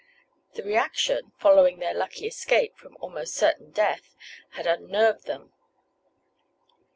The reaction, following their lucky escape from almost certain death, had unnerved them.